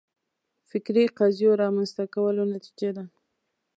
فکري قضیو رامنځته کولو نتیجه ده